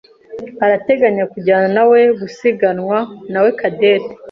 arateganya kujyanawe gusiganwa nawe Cadette.